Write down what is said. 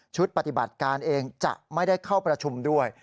ปฏิบัติการเองจะไม่ได้เข้าประชุมด้วย